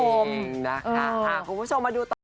จริงนะคะคุณผู้ชมมาดูต่อ